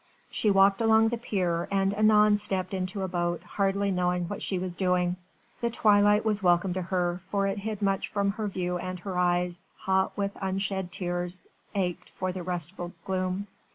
She walked along the pier and anon stepped into a boat, hardly knowing what she was doing: the twilight was welcome to her, for it hid much from her view and her eyes hot with unshed tears ached for the restful gloom.